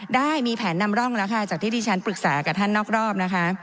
ได้มีแผนนำร่องแล้วค่ะจากที่ที่ฉันปรึกษากับท่านนอกรอบนะคะ